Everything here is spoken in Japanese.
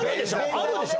あるでしょ？